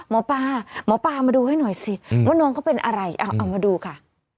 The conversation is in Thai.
หมอปลาหมอปลามาดูให้หน่อยสิว่าน้องเขาเป็นอะไรเอามาดูค่ะ